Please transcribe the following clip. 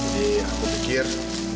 jadi aku pikir